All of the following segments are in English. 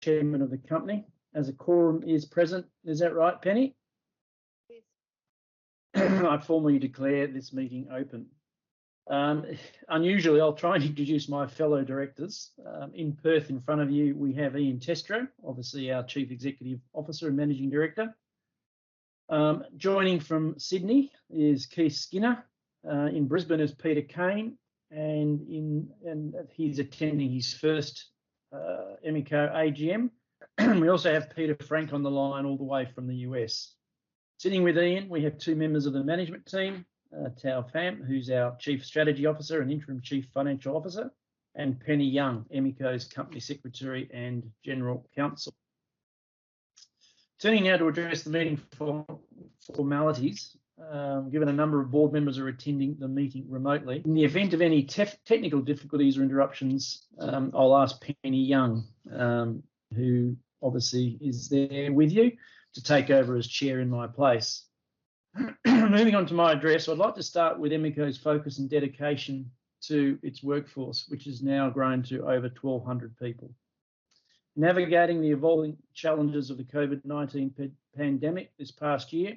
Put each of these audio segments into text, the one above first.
Chairman of the company. As a quorum is present, is that right, Penny? Yes. I formally declare this meeting open. Unusually, I'll try and introduce my fellow directors. In Perth in front of you, we have Ian Testrow, obviously our Chief Executive Officer and Managing Director. Joining from Sydney is Keith Skinner, in Brisbane is Peter Kane, and he's attending his first Emeco AGM. We also have Peter Frank on the line all the way from the U.S. Sitting with Ian, we have two members of the management team, Thao Pham, who's our Chief Strategy Officer and Interim Chief Financial Officer, and Penny Young, Emeco's Company Secretary and General Counsel. Turning now to address the meeting formalities, given a number of board members are attending the meeting remotely. In the event of any technical difficulties or interruptions, I'll ask Penny Young, who obviously is there with you, to take over as chair in my place. Moving on to my address, I'd like to start with Emeco's focus and dedication to its workforce, which has now grown to over 1,200 people. Navigating the evolving challenges of the COVID-19 pandemic this past year,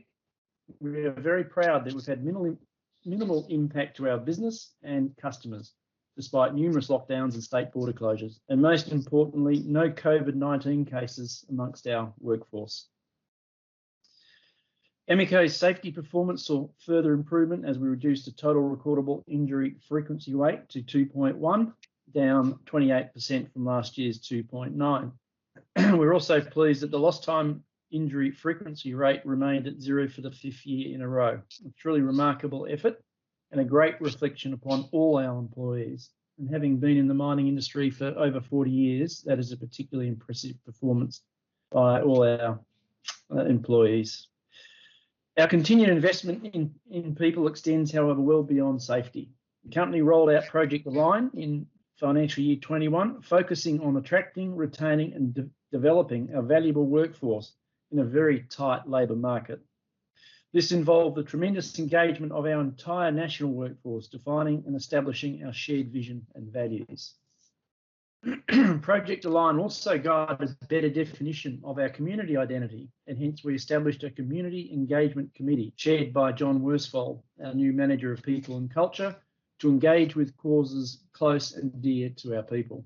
we are very proud that we've had minimal impact to our business and customers, despite numerous lockdowns and state border closures, and most importantly, no COVID-19 cases amongst our workforce. Emeco's safety performance saw further improvement as we reduced the total recordable injury frequency rate to 2.1, down 28% from last year's 2.9. We're also pleased that the lost time injury frequency rate remained at zero for the fifth year in a row. It's a truly remarkable effort and a great reflection upon all our employees, and having been in the mining industry for over 40 years, that is a particularly impressive performance by all our employees. Our continued investment in people extends, however, well beyond safety. The company rolled out Project Align in FY 2021, focusing on attracting, retaining, and developing a valuable workforce in a very tight labor market. This involved the tremendous engagement of our entire national workforce, defining and establishing our shared vision and values. Project Align also guides better definition of our community identity, and hence we established a Community Engagement Committee, chaired by John Worsfold, our new Manager of People and Culture, to engage with causes close and dear to our people.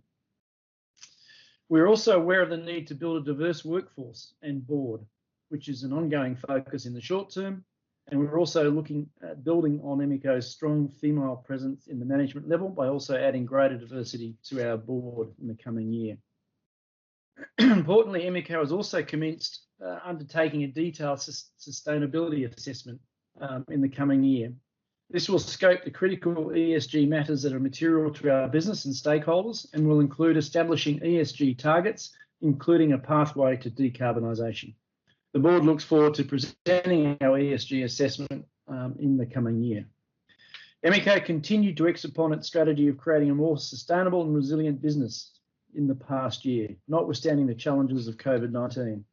We're also aware of the need to build a diverse workforce and board, which is an ongoing focus in the short term, and we're also looking at building on Emeco's strong female presence in the management level by also adding greater diversity to our board in the coming year. Importantly, Emeco has also commenced undertaking a detailed sustainability assessment in the coming year. This will scope the critical ESG matters that are material to our business and stakeholders and will include establishing ESG targets, including a pathway to decarbonization. The board looks forward to presenting our ESG assessment in the coming year. Emeco continued to execute upon its strategy of creating a more sustainable and resilient business in the past year, notwithstanding the challenges of COVID-19.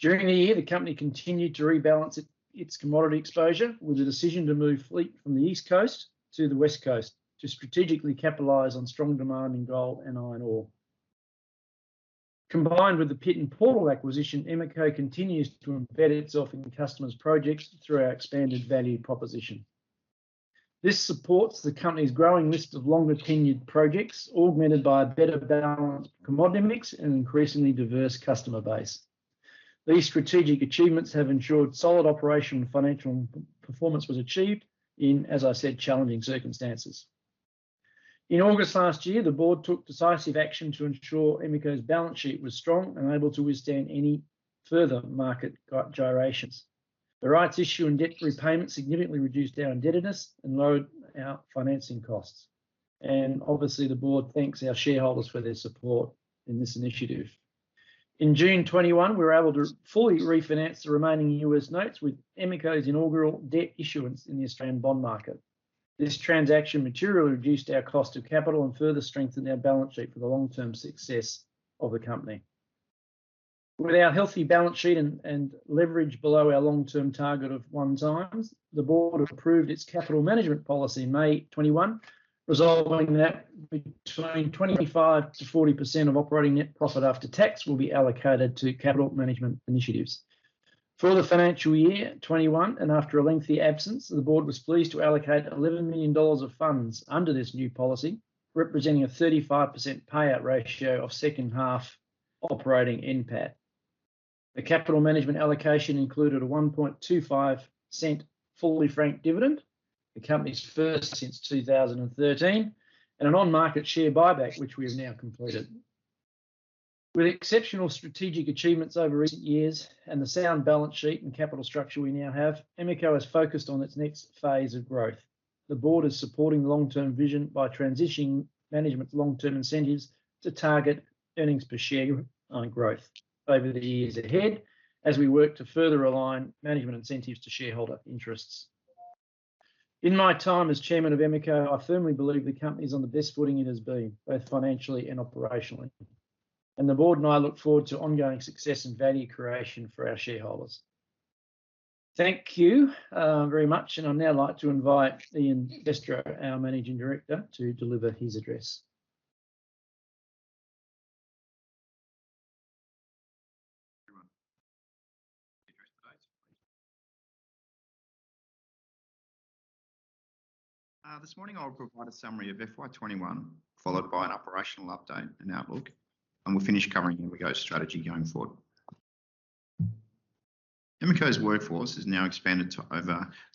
During the year, the company continued to rebalance its commodity exposure with a decision to move fleet from the East Coast to the West Coast to strategically capitalize on strong demand in gold and iron ore. Combined with the Pit N Portal acquisition, Emeco continues to embed itself in the customer's projects through our expanded value proposition. This supports the company's growing list of longer tenured projects, augmented by a better balanced commodity mix and an increasingly diverse customer base. These strategic achievements have ensured solid operational and financial performance was achieved in, as I said, challenging circumstances. In August last year, the board took decisive action to ensure Emeco's balance sheet was strong and able to withstand any further market gyrations. The rights issue and debt repayment significantly reduced our indebtedness and lowered our financing costs. Obviously, the board thanks our shareholders for their support in this initiative. In June 2021, we were able to fully refinance the remaining U.S. notes with Emeco's inaugural debt issuance in the Australian bond market. This transaction materially reduced our cost of capital and further strengthened our balance sheet for the long-term success of the company. With our healthy balance sheet and leverage below our long-term target of 1x, the board approved its capital management policy in May 2021, resolving that between 25% to 40% of operating net profit after tax will be allocated to capital management initiatives. For the financial year 2021, and after a lengthy absence, the board was pleased to allocate 11 million dollars of funds under this new policy, representing a 35% payout ratio of second half operating NPAT. The capital management allocation included a 0.0125 fully franked dividend, the company's first since 2013, and an on-market share buyback, which we have now completed. With exceptional strategic achievements over recent years and the sound balance sheet and capital structure we now have, Emeco is focused on its next phase of growth. The board is supporting the long-term vision by transitioning management's long-term incentives to target earnings per share on growth over the years ahead as we work to further align management incentives to shareholder interests. In my time as chairman of Emeco, I firmly believe the company is on the best footing it has been, both financially and operationally. The board and I look forward to ongoing success and value creation for our shareholders. Thank you, very much. I'd now like to invite Ian Testrow, our Managing Director, to deliver his address. Everyone. Thank you very much. This morning I'll provide a summary of FY 2021, followed by an operational update and outlook. We'll finish covering Emeco's strategy going forward. Emeco's workforce has now expanded to over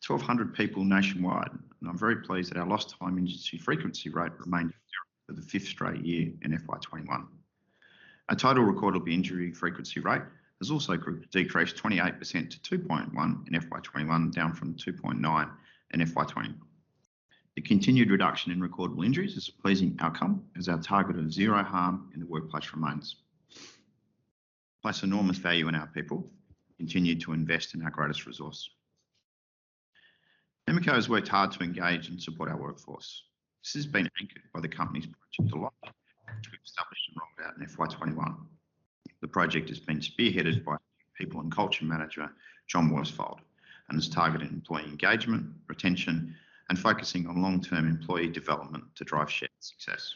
1,200 people nationwide, and I'm very pleased that our lost time injury frequency rate remained for the fifth straight year in FY 2021. Our total recordable injury frequency rate has also decreased 28% to 2.1 in FY 2021, down from 2.9 in FY 2020. The continued reduction in recordable injuries is a pleasing outcome as our target of zero harm in the workplace remains. We place enormous value in our people and continue to invest in our greatest resource. Emeco has worked hard to engage and support our workforce. This has been anchored by the company's Project Align, which we established and rolled out in FY 2021. The project has been spearheaded by People and Culture Manager, John Worsfold, and is targeting employee engagement, retention, and focusing on long-term employee development to drive shared success.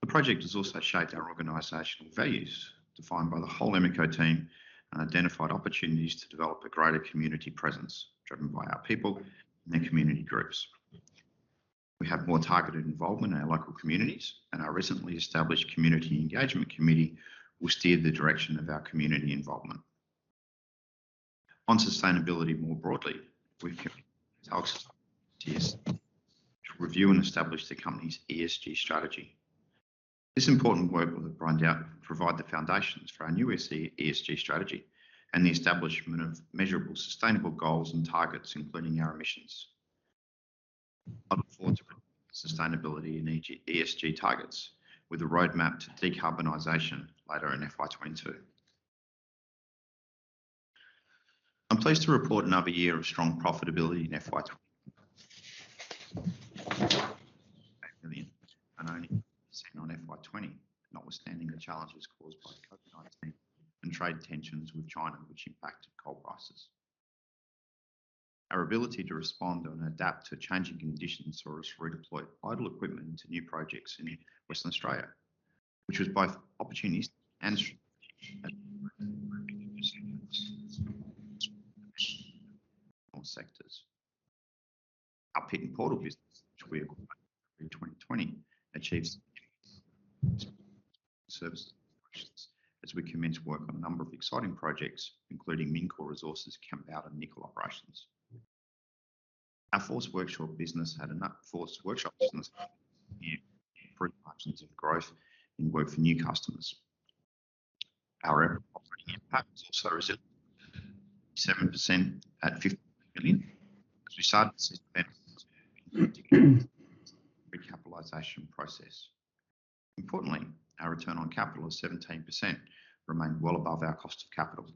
The project has also shaped our organizational values defined by the whole Emeco team and identified opportunities to develop a greater community presence driven by our people and their community groups. We have more targeted involvement in our local communities, and our recently established Community Engagement Committee will steer the direction of our community involvement. On sustainability more broadly, I look forward to sustainability and ESG targets with a roadmap to decarbonization later in FY 2022. I'm pleased to report another year of strong profitability in FY 2022, not only in FY 2020, notwithstanding the challenges caused by COVID-19 and trade tensions with China which impacted coal prices. Our ability to respond and adapt to changing conditions saw us redeploy idle equipment to new projects in Western Australia, which was both opportunities and all sectors. Our Pit N Portal business, which we acquired in 2020, achieved success as we commenced work on a number of exciting projects, including Mincor Resources' Kambalda Nickel Operations. Our Force workshop business had enough improvements and growth in work for new customers. Our operating EBITDA was also resilient, 77 million as we started the recapitalization process. Importantly, our return on capital of 17% remained well above our cost of capital.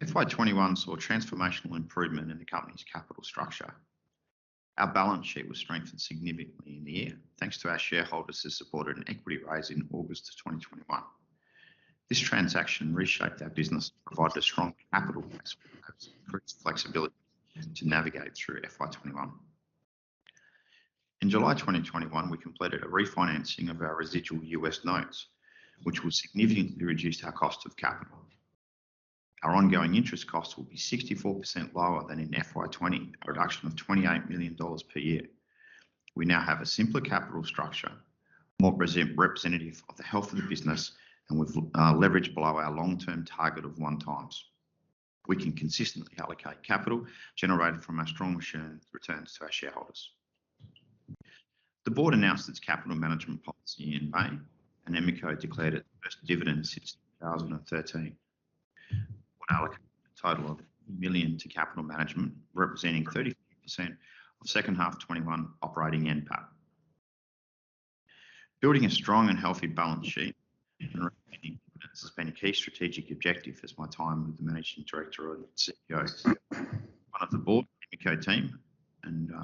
FY 2021 saw transformational improvement in the company's capital structure. Our balance sheet was strengthened significantly in the year, thanks to our shareholders who supported an equity raise in August of 2021. This transaction reshaped our business to provide strong capital and increased flexibility to navigate through FY 2021. In July 2021, we completed a refinancing of our residual U.S. notes, which will significantly reduce our cost of capital. Our ongoing interest costs will be 64% lower than in FY 2020, a reduction of 28 million dollars per year. We now have a simpler capital structure, more representative of the health of the business, and we've leverage below our long-term target of 1x. We can consistently allocate capital generated from our strong machine returns to our shareholders. The board announced its capital management policy in May, and Emeco declared its first dividend since 2013. We're allocating a total of 1 million to capital management, representing 33% of second half 2021 operating NPAT. Building a strong and healthy balance sheet has been a key strategic objective during my time as the Managing Director or CEO. One of the Board Emeco team,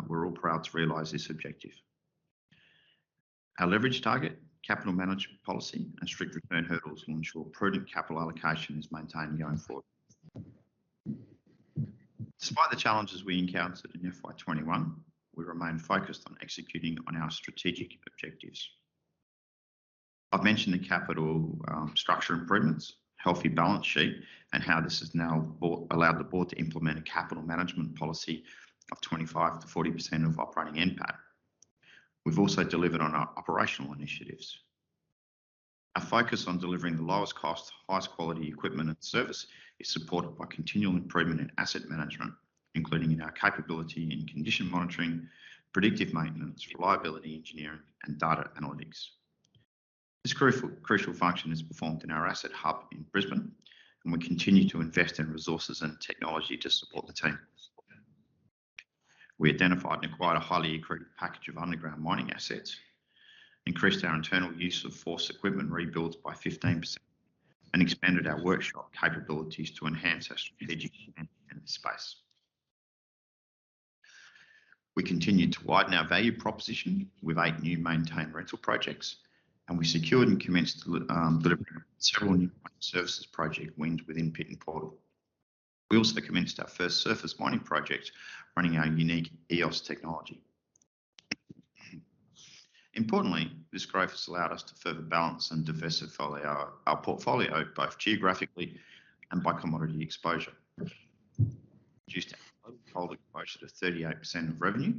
we're all proud to realize this objective. Our leverage target, capital management policy, and strict return hurdles will ensure prudent capital allocation is maintained going forward. Despite the challenges we encountered in FY 2021, we remain focused on executing on our strategic objectives. I've mentioned the capital structure improvements, healthy balance sheet, and how this has now allowed the Board to implement a capital management policy of 25% to 40% of operating NPAT. We've also delivered on our operational initiatives. Our focus on delivering the lowest cost, highest quality equipment and service is supported by continual improvement in asset management, including our capability in condition monitoring, predictive maintenance, reliability engineering, and data analytics. This crucial function is performed in our asset hub in Brisbane, and we continue to invest in resources and technology to support the team. We identified and acquired a highly accretive package of underground mining assets, increased our internal use of Force equipment rebuilds by 15%, and expanded our workshop capabilities to enhance our strategic in this space. We continued to widen our value proposition with eight new maintain rental projects, and we secured and commenced delivering several new services project wins within Pit N Portal. We also commenced our first surface mining project running our unique EOS technology. Importantly, this growth has allowed us to further balance and diversify our portfolio both geographically and by commodity exposure. just reduced our coal exposure to 38% of revenue,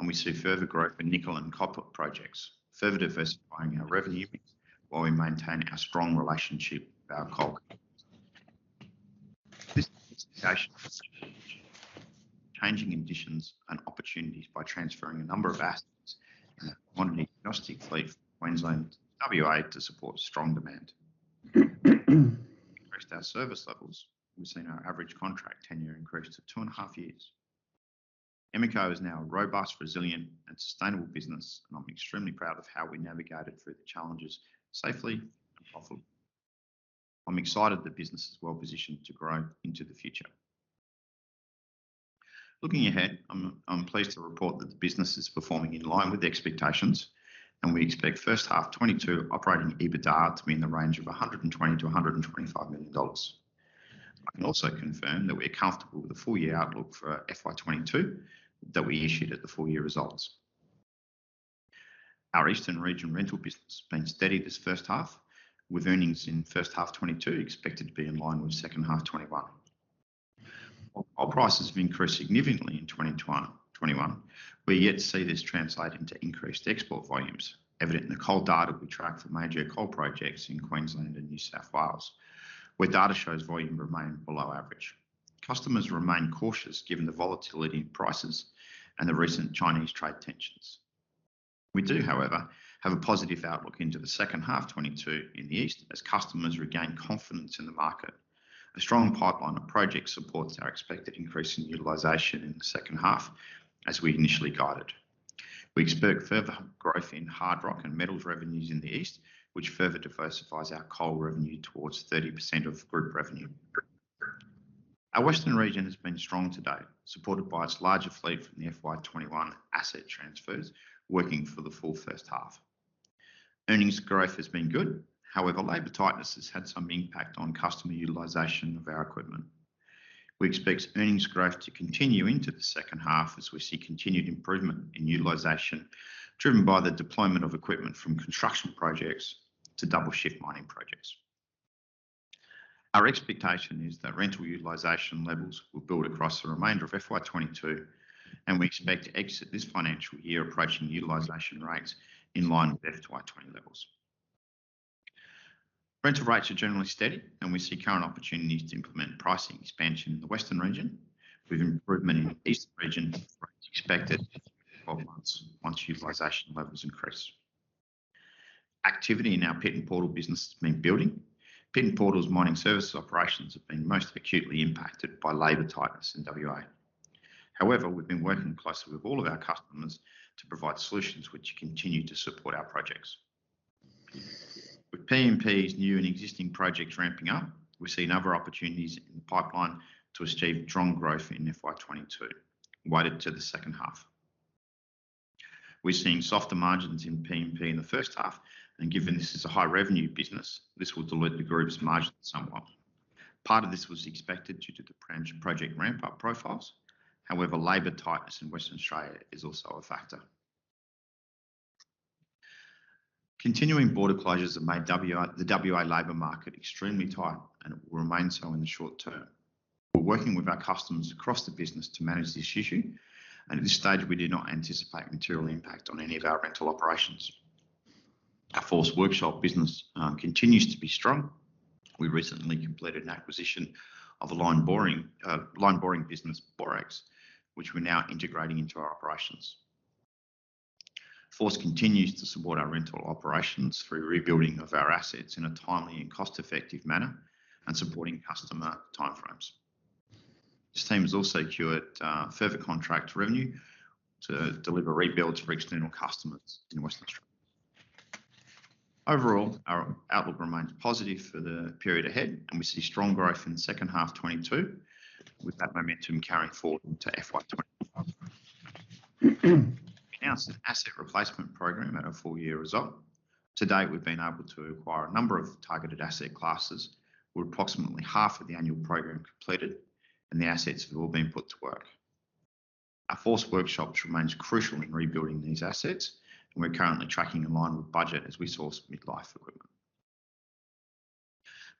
and we see further growth in nickel and copper projects, further diversifying our revenue while we maintain our strong relationship with our coal customers. We capitalized on changing conditions and opportunities by transferring a number of assets to our commodity agnostic fleet from Queensland to W.A. to support strong demand. This increased our service levels. We've seen our average contract tenure increase to 2.5 years. Emeco is now a robust, resilient and sustainable business, and I'm extremely proud of how we navigated through the challenges safely and profitably. I'm excited the business is well positioned to grow into the future. Looking ahead, I'm pleased to report that the business is performing in line with the expectations, and we expect first half 2022 operating EBITDA to be in the range of 120 million to 125 million dollars. I can also confirm that we're comfortable with the full year outlook for FY 2022 that we issued at the full year results. Our Eastern region rental business has been steady this first half, with earnings in first half 2022 expected to be in line with second half 2021. While coal prices have increased significantly in 2021, we don't yet see this translating to increased export volumes, evident in the coal data we track for major coal projects in Queensland and New South Wales, where data shows volumes remain below average. Customers remain cautious given the volatility in prices and the recent Chinese trade tensions. We do, however, have a positive outlook into the second half 2022 in the East as customers regain confidence in the market. A strong pipeline of projects supports our expected increase in utilization in the second half as we initially guided. We expect further growth in hard rock and metals revenues in the East, which further diversifies our coal revenue towards 30% of group revenue. Our Western region has been strong to date, supported by its larger fleet from the FY 2021 asset transfers working for the full first half. Earnings growth has been good. However, labor tightness has had some impact on customer utilization of our equipment. We expect earnings growth to continue into the second half as we see continued improvement in utilization, driven by the deployment of equipment from construction projects to double shift mining projects. Our expectation is that rental utilization levels will build across the remainder of FY 2022, and we expect to exit this financial year approaching utilization rates in line with FY 2020 levels. Rental rates are generally steady, and we see current opportunities to implement pricing expansion in the Western region with improvement in Eastern region rates expected in the following months once utilization levels increase. Activity in our Pit N Portal business has been building. Pit N Portal's mining services operations have been most acutely impacted by labor tightness in WA. However, we've been working closely with all of our customers to provide solutions which continue to support our projects. With PNP's new and existing projects ramping up, we're seeing other opportunities in the pipeline to achieve strong growth in FY 2022 weighted to the second half. We're seeing softer margins in PNP in the first half, and given this is a high revenue business, this will dilute the group's margin somewhat. Part of this was expected due to the project ramp up profiles. However, labor tightness in Western Australia is also a factor. Continuing border closures have made the WA labor market extremely tight and will remain so in the short term. We're working with our customers across the business to manage this issue, and at this stage we do not anticipate material impact on any of our rental operations. Our Force workshop business continues to be strong. We recently completed an acquisition of a line boring business, Borex, which we're now integrating into our operations. Force continues to support our rental operations through rebuilding of our assets in a timely and cost effective manner and supporting customer timeframes. This team has also secured further contract revenue to deliver rebuilds for external customers in Western Australia. Overall, our outlook remains positive for the period ahead, and we see strong growth in the second half 2022, with that momentum carrying forward into FY 2021. We announced an asset replacement program at our full year result. To date, we've been able to acquire a number of targeted asset classes with approximately half of the annual program completed, and the assets have all been put to work. Our Force workshops remains crucial in rebuilding these assets, and we're currently tracking in line with budget as we source mid-life equipment.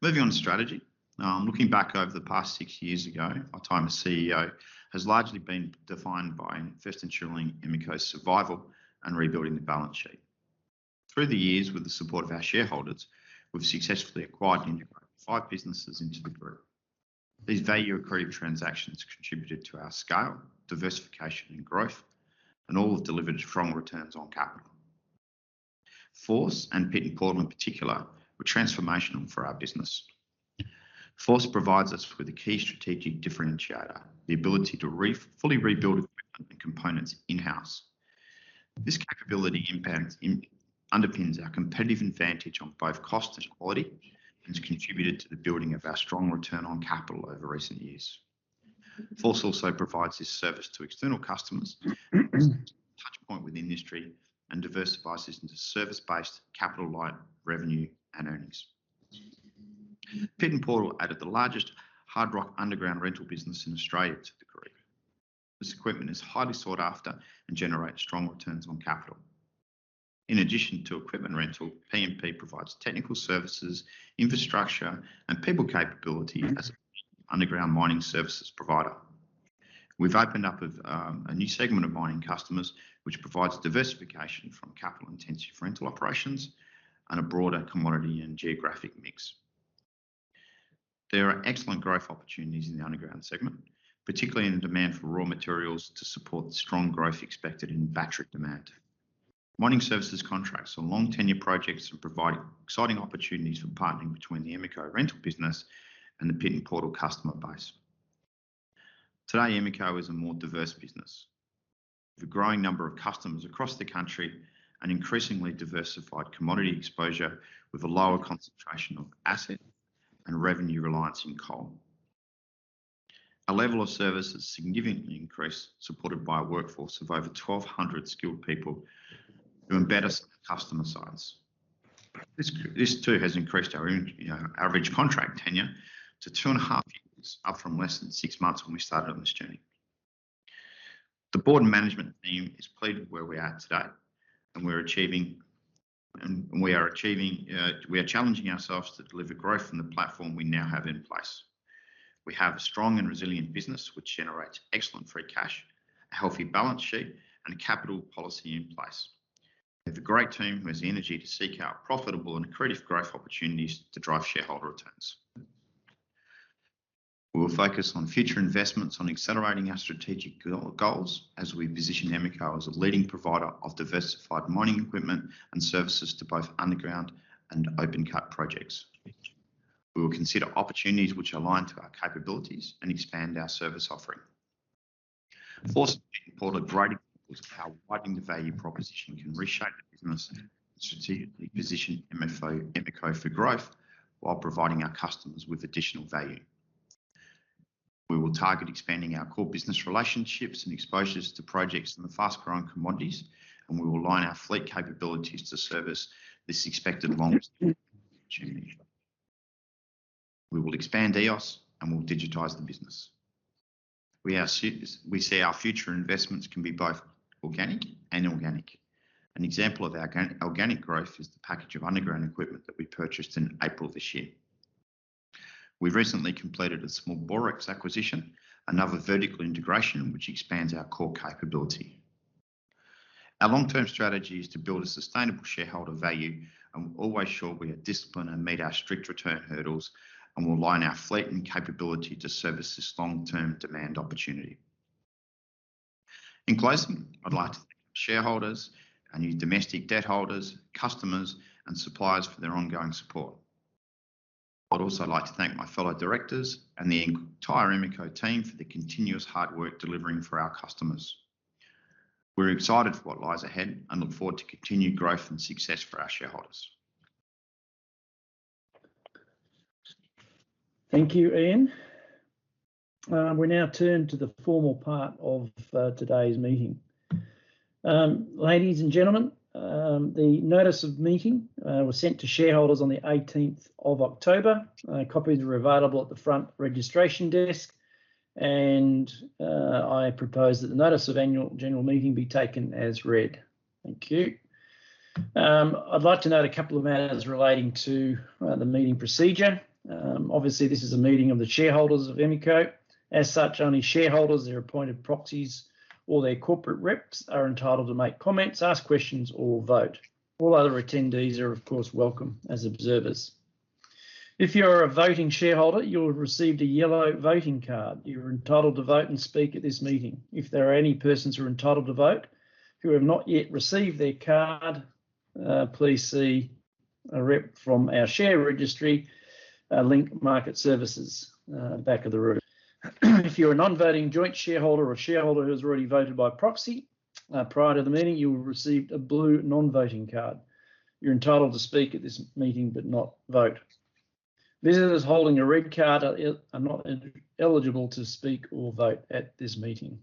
Moving on to strategy. Now, looking back over the past six years ago, my time as CEO has largely been defined by first ensuring Emeco's survival and rebuilding the balance sheet. Through the years, with the support of our shareholders, we've successfully acquired and integrated five businesses into the group. These value accretive transactions contributed to our scale, diversification and growth, and all have delivered strong returns on capital. Force and Pit N Portal in particular were transformational for our business. Force provides us with a key strategic differentiator, the ability to fully rebuild equipment and components in-house. This capability underpins our competitive advantage on both cost and quality, and has contributed to the building of our strong return on capital over recent years. Force also provides this service to external customers as a touchpoint with industry and diversifies this into service-based capital-light revenue and earnings. Pit N Portal added the largest hard rock underground rental business in Australia to the group. This equipment is highly sought after and generates strong returns on capital. In addition to equipment rental, Pit N Portal provides technical services, infrastructure, and people capability as an underground mining services provider. We've opened up a new segment of mining customers, which provides diversification from capital intensive rental operations and a broader commodity and geographic mix. There are excellent growth opportunities in the underground segment, particularly in the demand for raw materials to support the strong growth expected in battery demand. Mining services contracts are long tenure projects and provide exciting opportunities for partnering between the Emeco rental business and the Pit N Portal customer base. Today, Emeco is a more diverse business with a growing number of customers across the country and increasingly diversified commodity exposure with a lower concentration of asset and revenue reliance in coal. Our level of service has significantly increased, supported by a workforce of over 1,200 skilled people who are embedded at customer sites. This too has increased our own, you know, average contract tenure to 2.5 years, up from less than six months when we started on this journey. The board and management team is pleased with where we are today, and we're achieving, and we are challenging ourselves to deliver growth from the platform we now have in place. We have a strong and resilient business which generates excellent free cash, a healthy balance sheet and a capital policy in place. We have a great team who has the energy to seek out profitable and accretive growth opportunities to drive shareholder returns. We will focus on future investments on accelerating our strategic goals as we position Emeco as a leading provider of diversified mining equipment and services to both underground and open cut projects. We will consider opportunities which align to our capabilities and expand our service offering. Force and Pit N Portal are great examples of how widening the value proposition can reshape the business and strategically position Emeco for growth while providing our customers with additional value. We will target expanding our core business relationships and exposures to projects in the fast-growing commodities, and we will align our fleet capabilities to service this expected long-term opportunity. We will expand EOS and we'll digitize the business. We see our future investments can be both organic and inorganic. An example of organic growth is the package of underground equipment that we purchased in April this year. We recently completed a small Borex acquisition, another vertical integration which expands our core capability. Our long-term strategy is to build a sustainable shareholder value, and we'll always ensure we are disciplined and meet our strict return hurdles, and we'll align our fleet and capability to service this long-term demand opportunity. In closing, I'd like to thank shareholders, our new domestic debt holders, customers, and suppliers for their ongoing support. I'd also like to thank my fellow directors and the entire Emeco team for the continuous hard work delivering for our customers. We're excited for what lies ahead and look forward to continued growth and success for our shareholders. Thank you, Ian. We now turn to the formal part of today's meeting. Ladies and gentlemen, the notice of meeting was sent to shareholders on the 18th of October. Copies are available at the front registration desk, and I propose that the notice of annual general meeting be taken as read. Thank you. I'd like to note a couple of matters relating to the meeting procedure. Obviously, this is a meeting of the shareholders of Emeco. As such, only shareholders, their appointed proxies, or their corporate reps are entitled to make comments, ask questions, or vote. All other attendees are of course welcome as observers. If you are a voting shareholder, you'll have received a yellow voting card. You're entitled to vote and speak at this meeting. If there are any persons who are entitled to vote who have not yet received their card, please see a rep from our share registry, Link Market Services, back of the room. If you're a non-voting joint shareholder or shareholder who has already voted by proxy prior to the meeting, you will receive a blue non-voting card. You're entitled to speak at this meeting but not vote. Visitors holding a red card are not eligible to speak or vote at this meeting.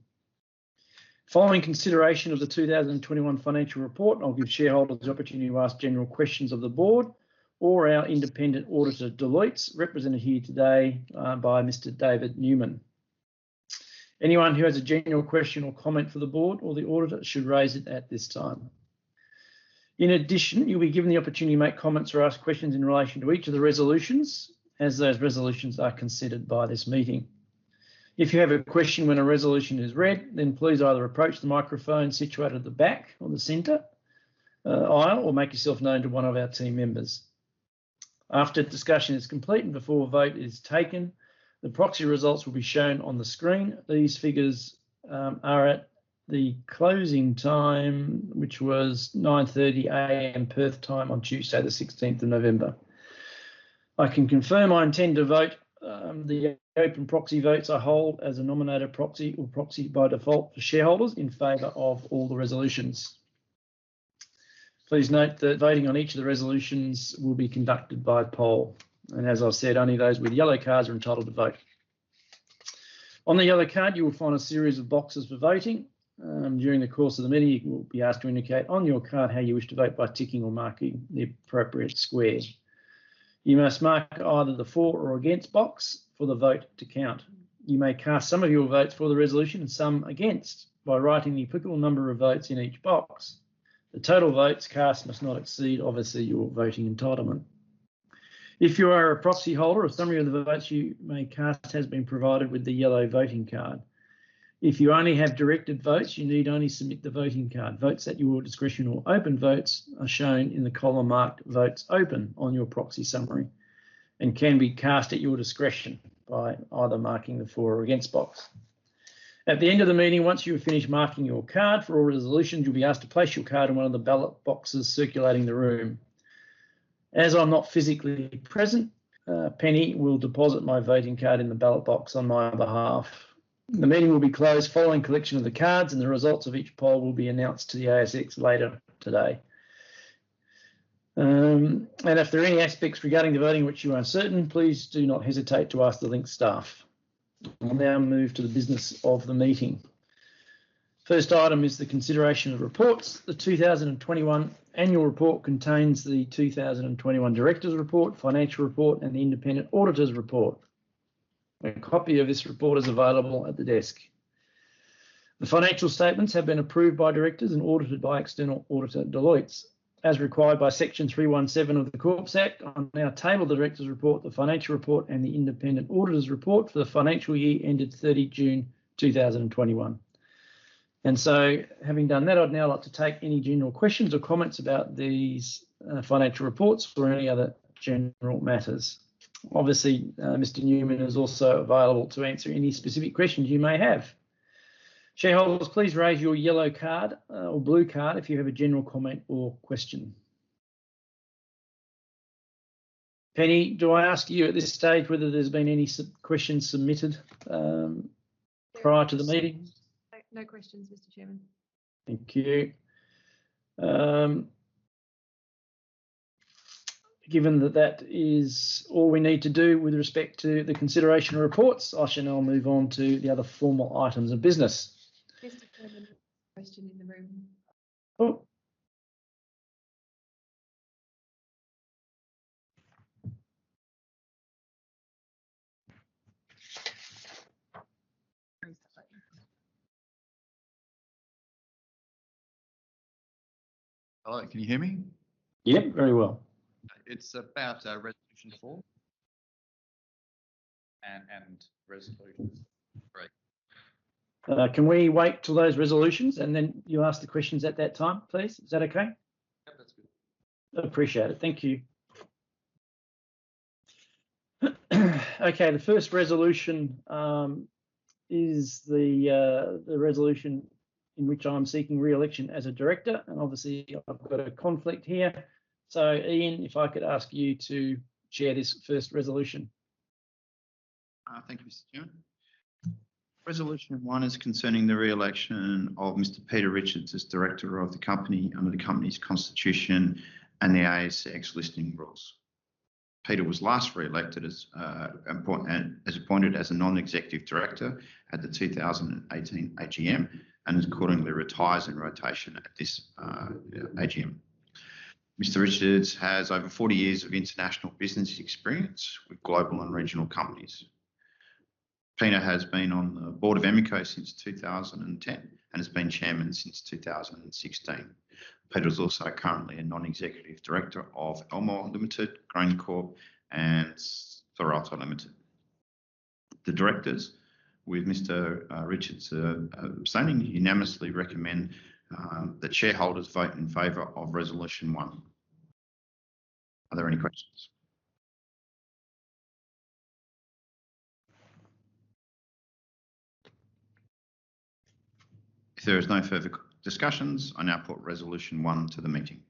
Following consideration of the 2021 financial report, I'll give shareholders the opportunity to ask general questions of the board or our independent auditor, Deloitte, represented here today by Mr. David Newman. Anyone who has a general question or comment for the board or the auditor should raise it at this time. In addition, you'll be given the opportunity to make comments or ask questions in relation to each of the Resolutions as those Resolutions are considered by this meeting. If you have a question when a Resolution is read, then please either approach the microphone situated at the back on the center aisle, or make yourself known to one of our team members. After discussion is complete and before a vote is taken, the proxy results will be shown on the screen. These figures are at the closing time, which was 9:30 A.M. Perth time on Tuesday the 16h of November. I can confirm I intend to vote the open proxy votes I hold as a nominator proxy or proxy by default for shareholders in favor of all the Resolutions. Please note that voting on each of the Resolutions will be conducted by poll, and as I've said, only those with yellow cards are entitled to vote. On the yellow card, you will find a series of boxes for voting. During the course of the meeting, you will be asked to indicate on your card how you wish to vote by ticking or marking the appropriate square. You must mark either the for or against box for the vote to count. You may cast some of your votes for the Resolution and some against by writing the applicable number of votes in each box. The total votes cast must not exceed, obviously, your voting entitlement. If you are a proxy holder, a summary of the votes you may cast has been provided with the yellow voting card. If you only have directed votes, you need only submit the voting card. Votes at your discretion or open votes are shown in the column marked Votes Open on your proxy summary and can be cast at your discretion by either marking the for or against box. At the end of the meeting, once you have finished marking your card for all Resolutions, you'll be asked to place your card in one of the ballot boxes circulating the room. As I'm not physically present, Penny will deposit my voting card in the ballot box on my other behalf. The meeting will be closed following collection of the cards, and the results of each poll will be announced to the ASX later today. If there are any aspects regarding the voting which you are uncertain, please do not hesitate to ask the Link staff. I'll now move to the business of the meeting. First item is the consideration of reports. The 2021 annual report contains the 2021 directors' report, financial report, and the independent auditors' report. A copy of this report is available at the desk. The financial statements have been approved by directors and audited by external auditor, Deloitte. As required by Section 317 of the Corporations Act, I now table the directors' report, the financial report, and the independent auditors' report for the financial year ended June 30th, 2021. Having done that, I'd now like to take any general questions or comments about these financial reports or any other general matters. Obviously, Mr. Newman is also available to answer any specific questions you may have. Shareholders, please raise your yellow card or blue card if you have a general comment or question. Penny, do I ask you at this stage whether there's been any sub-questions submitted prior to the meeting? No questions, Mr. Chairman. Thank you. Given that is all we need to do with respect to the consideration reports, I shall now move on to the other formal items of business. Mr. Chairman, there's a question in the room. Oh. Hello, can you hear me? Yeah, very well. It's about Resolution four and Resolutions three. Can we wait till those Resolutions, and then you ask the questions at that time, please? Is that okay? Yeah, that's good. Appreciate it. Thank you. Okay, the first Resolution is the Resolution in which I'm seeking re-election as a director, and obviously I've got a conflict here. Ian, if I could ask you to chair this first Resolution. Thank you, Mr. Chairman. Resolution one is concerning the re-election of Mr. Peter Richards as Director of the company under the company's constitution and the ASX listing rules. Peter was last re-elected as appointed as a Non-Executive Director at the 2018 AGM, and accordingly retires in rotation at this AGM. Mr. Richards has over 40 years of international business experience with global and regional companies. Peter has been on the board of Emeco since 2010 and has been chairman since 2016. Peter is also currently a Non-Executive Director of ELMO Software Limited, GrainCorp, and Thorney Technologies Ltd. The directors, with Mr. Richards abstaining, unanimously recommend that shareholders vote in favor of Resolution one. Are there any questions? If there is no further discussions, I now put Resolution one to the meeting.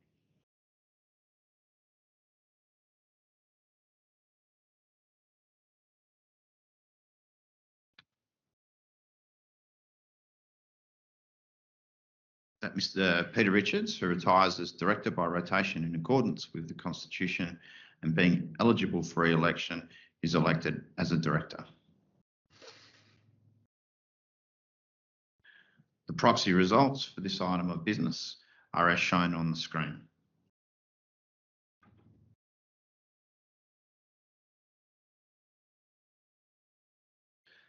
That Mr. Peter Richards, who retires as director by rotation in accordance with the constitution and being eligible for re-election, is elected as a Director. The proxy results for this item of business are as shown on the screen.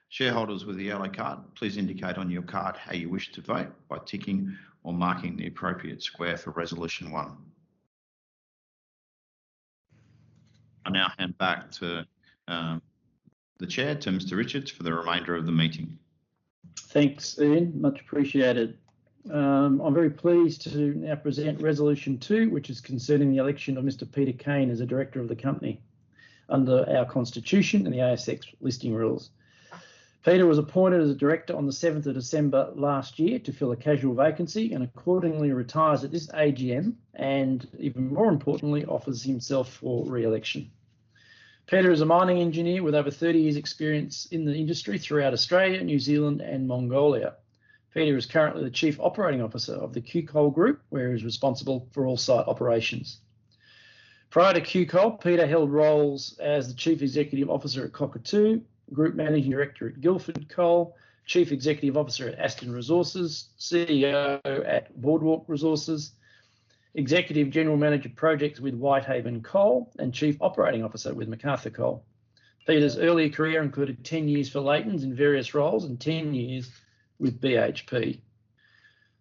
Shareholders with the yellow card, please indicate on your card how you wish to vote by ticking or marking the appropriate square for Resolution one. I now hand back to the chair, to Mr. Richards, for the remainder of the meeting. Thanks, Ian. Much appreciated. I'm very pleased to now present Resolution two, which is concerning the election of Mr. Peter Kane as a Director of the company under our constitution and the ASX listing rules. Peter was appointed as a Director on the 7th of December last year to fill a casual vacancy, and accordingly retires at this AGM, and even more importantly, offers himself for re-election. Peter is a Mining Engineer with over 30 years' experience in the industry throughout Australia, New Zealand and Mongolia. Peter is currently the Chief Operating Officer of the QCoal Group, where he's responsible for all site operations. Prior to QCoal, Peter held roles as the Chief Executive Officer at Cockatoo, Group Managing Director at Guildford Coal, Chief Executive Officer at Aston Resources, CEO at Boardwalk Resources, Executive General Manager Projects with Whitehaven Coal, and Chief Operating Officer with Macarthur Coal. Peter's early career included 10 years for Leighton in various roles and 10 years with BHP.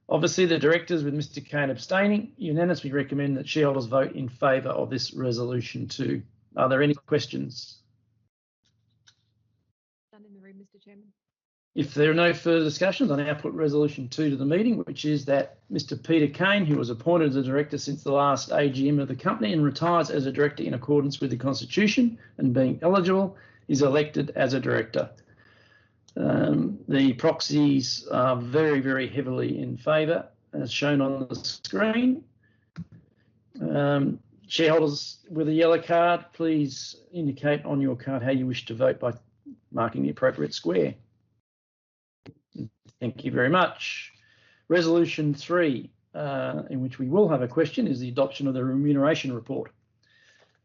Obviously, the directors, with Mr. Kane abstaining, unanimously recommend that shareholders vote in favor of this Resolution two. Are there any questions? None in the room, Mr. Chairman. If there are no further discussions, I now put Resolution two to the meeting, which is that Mr. Peter Kane, who was appointed as a director since the last AGM of the company and retires as a Director in accordance with the constitution, and being eligible, is elected as a Director. The proxies are very, very heavily in favor, as shown on the screen. Shareholders with a yellow card, please indicate on your card how you wish to vote by marking the appropriate square. Thank you very much. Resolution three, in which we will have a question, is the adoption of the remuneration report.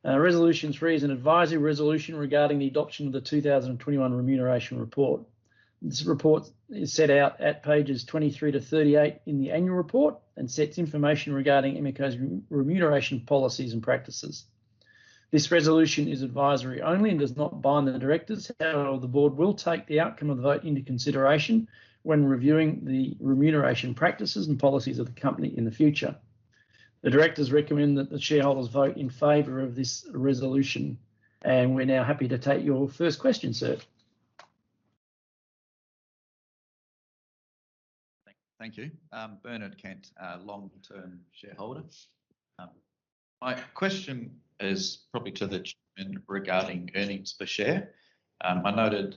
Resolution three is an advisory Resolution regarding the adoption of the 2021 Remuneration Report. This report is set out at pages 23 to 38 in the annual report and sets information regarding Emeco's remuneration policies and practices. This Resolution is advisory only and does not bind the directors. However, the board will take the outcome of the vote into consideration when reviewing the remuneration practices and policies of the company in the future. The directors recommend that the shareholders vote in favor of this Resolution. We're now happy to take your first question, sir. Thank you. Bernard Kent, long-term shareholder. My question is probably to the chairman regarding earnings per share. I noted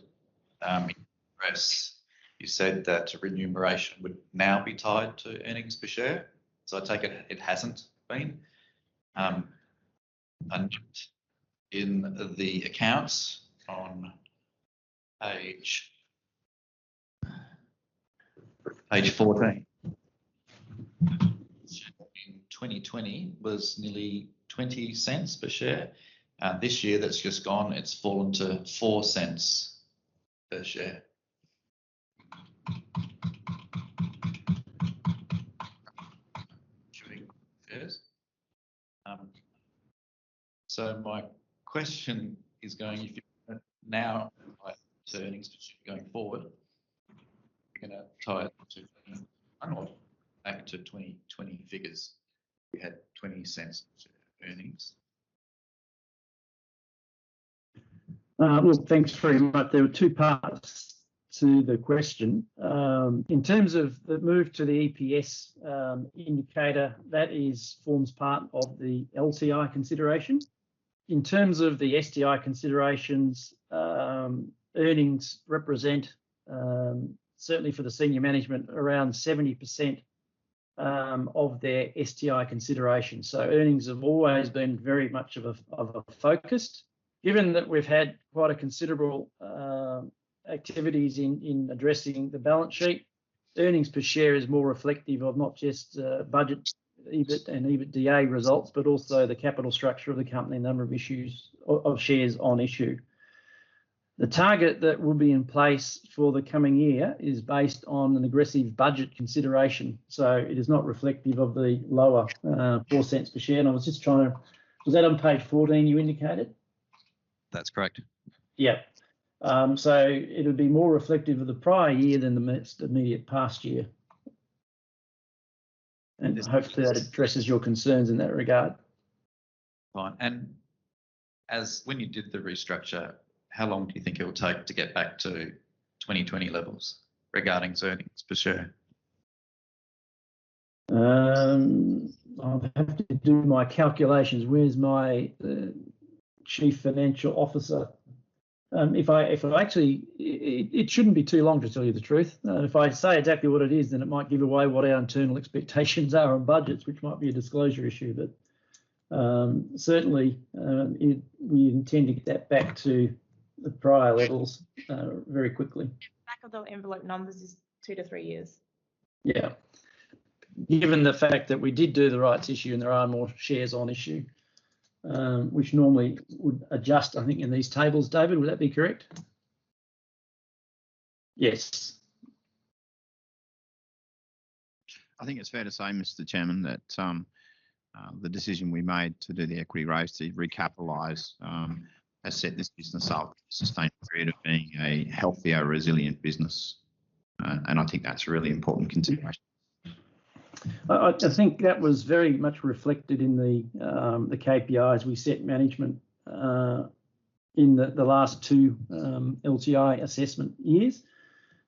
in the press you said that remuneration would now be tied to earnings per share. I take it it hasn't been. In the accounts on page 14. In 2020 was nearly 0.20 per share. This year that's just gone, it's fallen to 0.04 per share. Which I think fares. My question is going, if you now earnings going forward, gonna tie it to the annual back to 2020 figures. We had 0.20 earnings. Well, thanks very much. There were two parts to the question. In terms of the move to the EPS indicator, that forms part of the LTI considerations. In terms of the STI considerations, earnings represent certainly for the senior management around 70% of their STI consideration. Earnings have always been very much of a focus. Given that we've had quite considerable activities in addressing the balance sheet, earnings per share is more reflective of not just budget EBIT and EBITDA results, but also the capital structure of the company, number of shares on issue. The target that will be in place for the coming year is based on an aggressive budget consideration, so it is not reflective of the lower 0.04 per share. I was just trying to. Was that on page 14, you indicated? That's correct. Yeah. It'll be more reflective of the prior year than the next immediate past year. Hopefully that addresses your concerns in that regard. Fine. When you did the restructure, how long do you think it will take to get back to 2020 levels regarding earnings per share? I'd have to do my calculations. Where's my Chief Financial Officer? It shouldn't be too long, to tell you the truth. If I say exactly what it is, then it might give away what our internal expectations are on budgets, which might be a disclosure issue. Certainly, we intend to get that back to the prior levels very quickly. Back-of-the-envelope numbers is two to three years. Yeah. Given the fact that we did do the rights issue and there are more shares on issue, which normally would adjust, I think, in these tables. David, would that be correct? Yes. I think it's fair to say, Mr. Chairman, that the decision we made to do the equity raise to recapitalize has set this business up for a sustained period of being a healthier, resilient business. I think that's a really important consideration. I think that was very much reflected in the KPIs we set management in the last two LTI assessment years.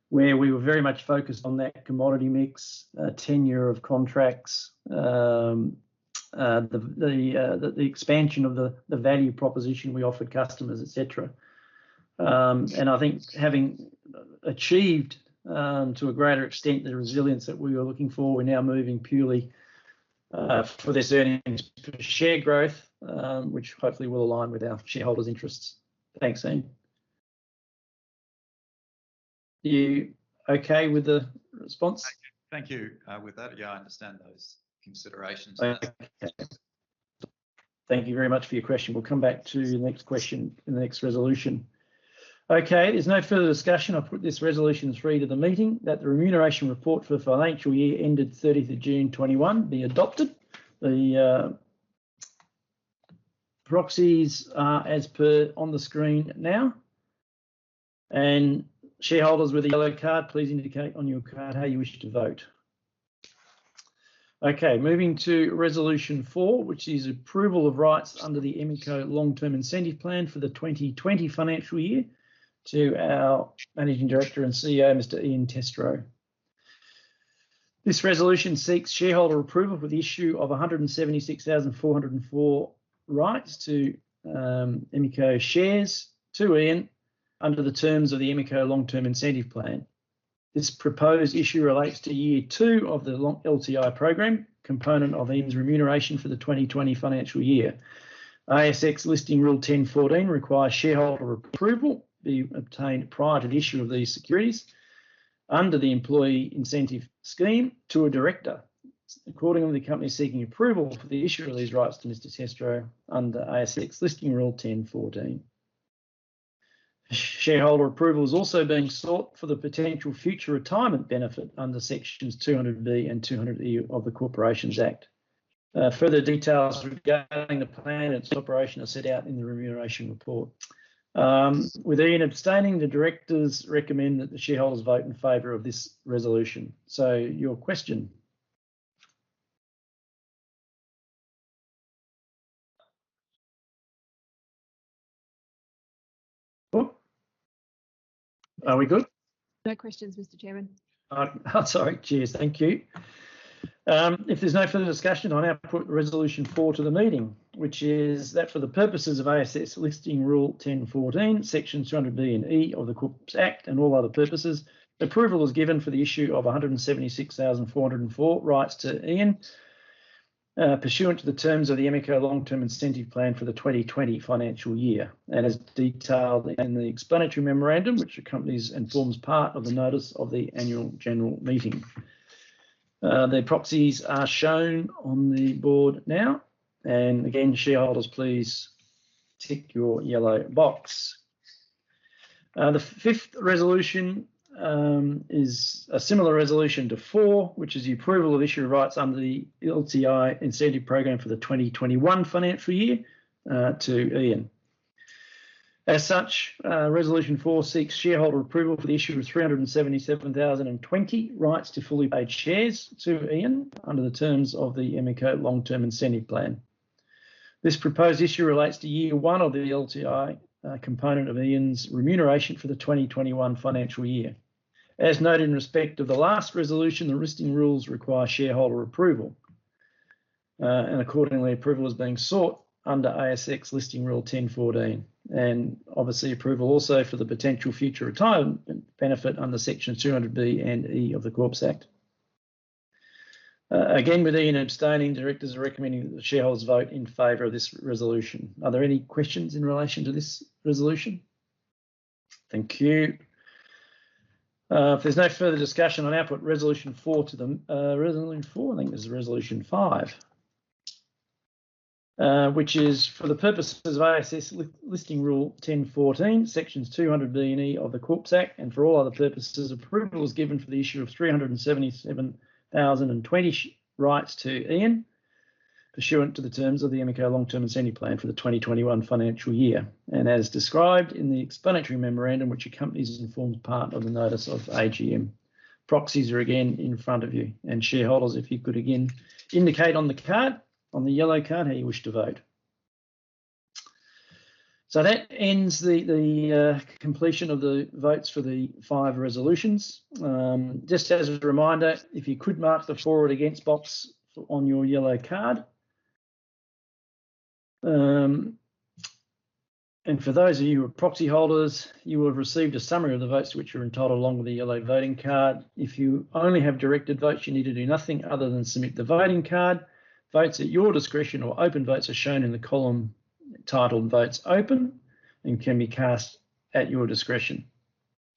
Where we were very much focused on that commodity mix, tenure of contracts, the expansion of the value proposition we offer customers, et cetera. I think having achieved to a greater extent the resilience that we were looking for, we're now moving purely for this earnings per share growth, which hopefully will align with our shareholders' interests. Thanks, Ian. You okay with the response? Thank you. With that, yeah, I understand those considerations. Okay. Thank you very much for your question. We'll come back to the next question in the next Resolution. Okay. There's no further discussion. I'll put this Resolution three to the meeting that the remuneration report for the financial year ended 30th of June 2021 be adopted. The proxies are as per on the screen now. Shareholders with a yellow card, please indicate on your card how you wish to vote. Okay. Moving to Resolution four, which is approval of rights under the Emeco long-term incentive plan for the 2020 financial year to our Managing Director and CEO, Mr. Ian Testrow. This Resolution seeks shareholder approval for the issue of 176,404 rights to Emeco shares to Ian under the terms of the Emeco long-term incentive plan. This proposed issue relates to year two of the long LTI program, component of Ian's remuneration for the 2020 financial year. ASX Listing Rule 10.14 requires shareholder approval be obtained prior to the issue of these securities under the employee incentive scheme to a director. Accordingly, the company is seeking approval for the issue of these rights to Mr. Testrow under ASX Listing Rule 10.14. Shareholder approval is also being sought for the potential future retirement benefit under sections 200B and 200E of the Corporations Act. Further details regarding the plan and its operation are set out in the remuneration report. With Ian abstaining, the directors recommend that the shareholders vote in favor of this Resolution. Your question. Oh, are we good? No questions, Mr. Chairman. Oh, sorry. Cheers. Thank you. If there's no further discussion, I now put Resolution four to the meeting, which is that for the purposes of ASX Listing Rule 10.14, sections 200B and 200E of the Corporations Act and all other purposes, approval is given for the issue of 176,404 rights to Ian pursuant to the terms of the Emeco long-term incentive plan for the 2020 financial year, and as detailed in the explanatory memorandum, which accompanies and forms part of the notice of the Annual General Meeting. The proxies are shown on the board now, and again, shareholders, please tick your yellow box. The fifth Resolution is a similar Resolution to four, which is the approval of issue of rights under the LTI incentive program for the 2021 financial year to Ian. As such, Resolution four seeks shareholder approval for the issue of 377,020 rights to fully paid shares to Ian under the terms of the Emeco long-term incentive plan. This proposed issue relates to year one of the LTI component of Ian's remuneration for the 2021 financial year. As noted in respect of the last Resolution, the listing rules require shareholder approval. Accordingly, approval is being sought under ASX Listing Rule 10.14, and obviously approval also for the potential future retirement benefit under Section 200B and 200E of the Corporations Act. Again, with Ian abstaining, directors are recommending that the shareholders vote in favor of this Resolution. Are there any questions in relation to this Resolution? Thank you. If there's no further discussion, I'll now put Resolution four. Resolution four, I think, is Resolution five. Which is for the purposes of ASX Listing Rule 10.14, sections 200B and 200E of the Corporations Act, and for all other purposes, approval is given for the issue of 377,020 rights to Ian pursuant to the terms of the Emeco long-term incentive plan for the 2021 financial year, and as described in the explanatory memorandum, which accompanies and forms part of the notice of AGM. Proxies are again in front of you. Shareholders, if you could again indicate on the card, on the yellow card, how you wish to vote. That ends the completion of the votes for the five Resolutions. Just as a reminder, if you could mark the for or against box on your yellow card. For those of you who are proxy holders, you will have received a summary of the votes to which you're entitled along with a yellow voting card. If you only have directed votes, you need to do nothing other than submit the voting card. Votes at your discretion or open votes are shown in the column titled Votes Open and can be cast at your discretion.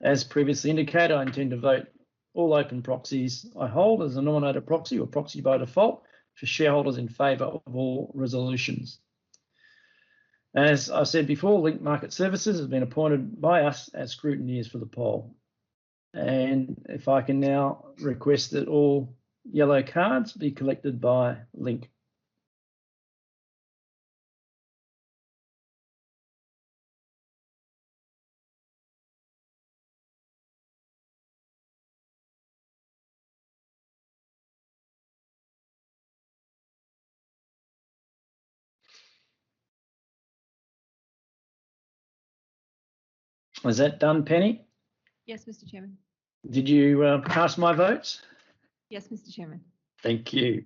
As previously indicated, I intend to vote all open proxies I hold as a nominated proxy or proxy by default for shareholders in favor of all Resolutions. As I said before, Link Market Services has been appointed by us as scrutineers for the poll. If I can now request that all yellow cards be collected by Link. Was that done, Penny? Yes, Mr. Chairman. Did you cast my votes? Yes, Mr. Chairman. Thank you.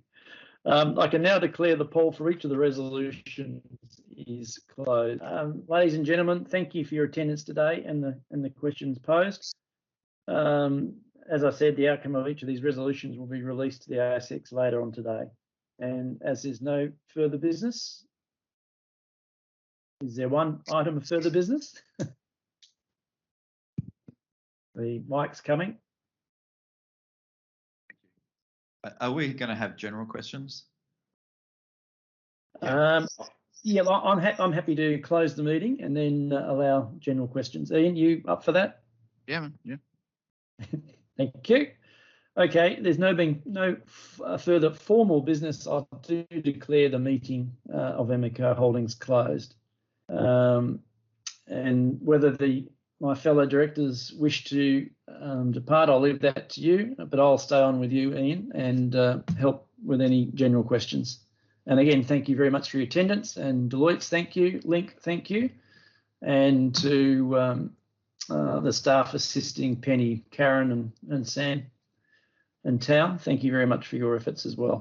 I can now declare the poll for each of the Resolutions is closed. Ladies and gentlemen, thank you for your attendance today and the questions posed. As I said, the outcome of each of these Resolutions will be released to the ASX later on today. As there's no further business. Is there one item of further business? The mic's coming. Thank you. Are we gonna have general questions? Yeah, I'm happy to close the meeting and then allow general questions. Ian, you up for that? Yeah, man. Yeah. Thank you. Okay. There's no further formal business. I do declare the meeting of Emeco Holdings closed. Whether my fellow directors wish to depart, I'll leave that to you, but I'll stay on with you, Ian, and help with any general questions. Again, thank you very much for your attendance. Deloitte, thank you. Link, thank you. To the staff assisting, Penny, Karen, and Sam, and Thao, thank you very much for your efforts as well.